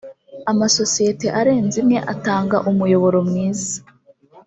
amasosiyete arenze imwe atanga umuyoboro mwiza